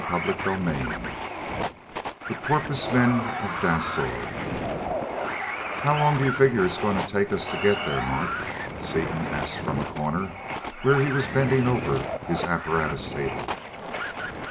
CHAPTER VIII The Porpoise Men of Dasor "How long do you figure it's going to take us to get there, Mart?" Seaton asked from a corner, where he was bending over his apparatus table.